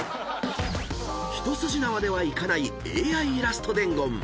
［一筋縄ではいかないＡＩイラスト伝言！］